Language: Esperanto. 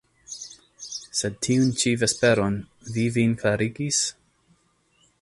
Sed tiun ĉi vesperon vi vin klarigis?